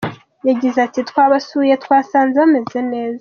Yagize ati “Twabasuye, twasanze bameze neza.